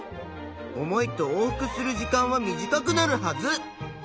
重いと往復する時間は短くなるはず。